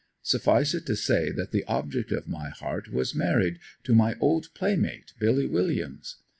Suffice it to say that the object of my heart was married to my old playmate Billy Williams.